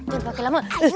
jangan pakai lama